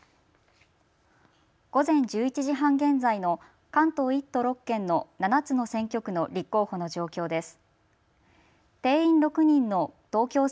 午前１１時半現在の関東１都６県の７つの選挙区の立候補の状況です。